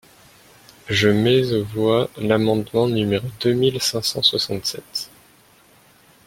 Je mets aux voix l’amendement numéro deux mille cinq cent soixante-sept.